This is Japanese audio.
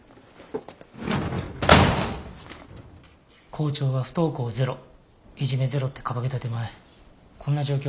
校長は不登校ゼロいじめゼロって掲げた手前こんな状況